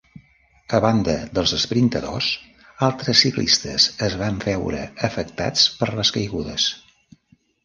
A banda dels esprintadors, altres ciclistes es van veure afectats per les caigudes.